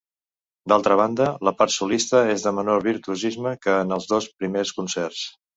D'altra banda, la part solista és de menor virtuosisme que en els dos primers concerts.